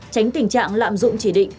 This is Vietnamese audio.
tránh tình trạng lạm dụng chỉ định